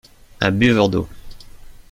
Un buveur d’eau.